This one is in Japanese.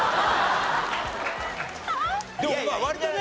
でも割とね